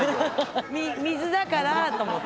水だからと思って。